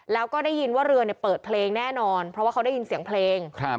แล้วก็ได้ยินว่าเรือเนี่ยเปิดเพลงแน่นอนเพราะว่าเขาได้ยินเสียงเพลงครับ